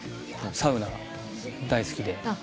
サウナ大好きで。